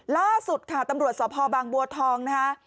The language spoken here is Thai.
ล่าสุดค่ะตำรวจสพบางบัวทองนะคะ